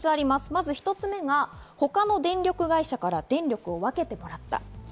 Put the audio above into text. まず一つ目は、他の電力会社から電力を分けてもらった。